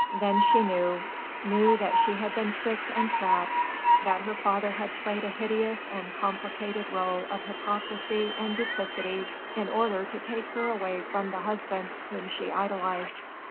Then she knew knew that she had been tricked and trapped that her father had played a hideous and complicated rôle of hypocrisy and duplicity in order to take her away from the husband whom she idolised.